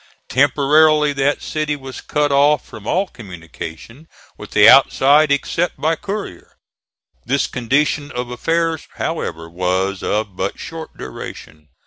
Temporarily that city was cut off from all communication with the outside except by courier. This condition of affairs, however, was of but short duration.